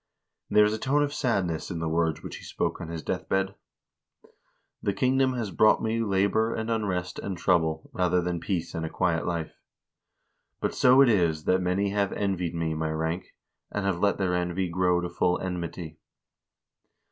There is a tone of sadness in the words which he spoke on his death bed :" The king dom has brought me labor and unrest and trouble, rather than peace and a quiet life. But so it is, that many have envied me my rank, and have let their envy grow to full enmity.